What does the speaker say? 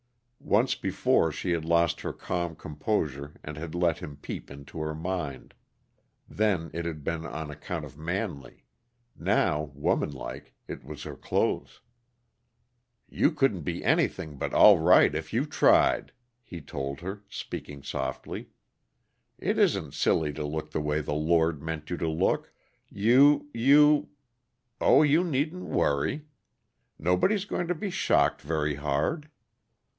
Once before she had lost her calm composure and had let him peep into her mind. Then it had been on account of Manley; now, womanlike, it was her clothes. "You couldn't be anything but all right, if you tried," he told her, speaking softly. "It isn't silly to look the way the Lord meant you to look. You you oh, you needn't worry nobody's going to be shocked very hard."